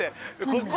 ここ？